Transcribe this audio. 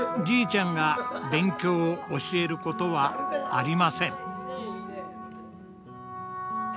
じいちゃんが勉強を教えることはありません。